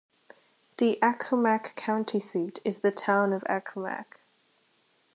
The Accomack county seat is the town of Accomac.